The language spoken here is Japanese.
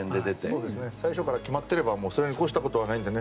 最初から決まっていればそれに越したことはないので。